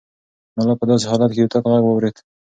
ملا په داسې حال کې یو تت غږ واورېد.